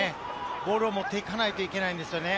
ボールを持っていかないといけないんですよね。